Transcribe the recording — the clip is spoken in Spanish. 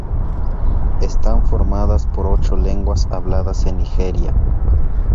Están formadas por ocho lenguas habladas en Nigeria.